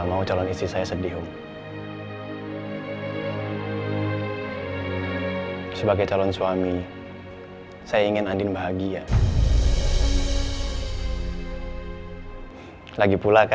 assalamualaikum ya allahi kubur